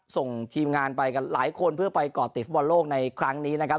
ส่งทีมงานไปกันหลายคนเพื่อไปก่อติดฟุตบอลโลกในครั้งนี้นะครับ